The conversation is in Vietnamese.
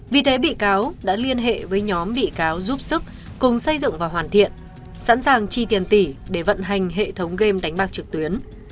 vì thế bị cáo đã liên hệ với nhóm bị cáo giúp sức cùng xây dựng và hoàn thiện sẵn sàng chi tiền tỷ để vận hành hệ thống game đánh bạc trực tuyến